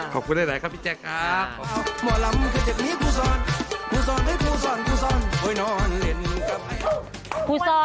ขอบคุณใหญ่ครับพี่แจ็ค